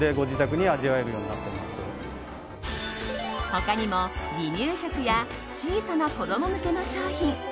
他にも離乳食や小さな子供向けの商品